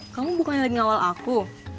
kamu bukan lagi ngawal aku